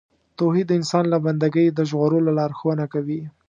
توحید د انسان له بندګۍ د ژغورلو لارښوونه کوي.